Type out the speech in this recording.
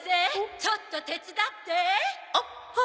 ちょっと手伝ってー！